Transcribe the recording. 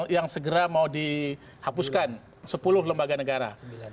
yang segera mau dihapuskan sepuluh lembaga negara